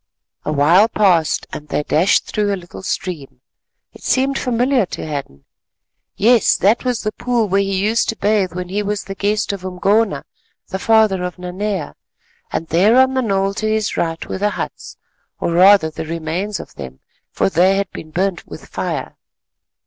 A while passed, and they dashed through a little stream. It seemed familiar to Hadden. Yes, that was the pool where he used to bathe when he was the guest of Umgona, the father of Nanea; and there on the knoll to his right were the huts, or rather the remains of them, for they had been burnt with fire.